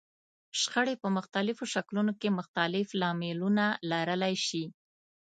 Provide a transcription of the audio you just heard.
شخړې په مختلفو شکلونو کې مختلف لاملونه لرلای شي.